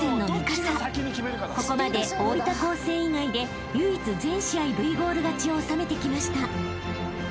［ここまで大分高専以外で唯一全試合Ｖゴール勝ちを収めてきました］